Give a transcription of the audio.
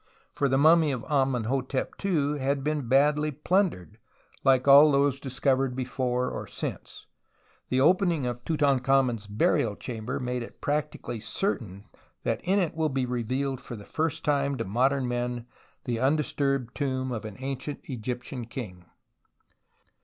For the mummy of Amenhotep II had been badly plundered like all those discovered before or since until the opening of Tutankhamen's burial chamber made it practically certain tliat in it will be revealed for the first time to modern men the undisturbed tomb of an ancient Egyptian king.